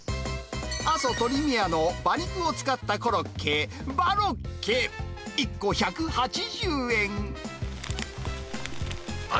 阿蘇とり宮の馬肉を使ったコロッケ、バロッケ１個１８０円。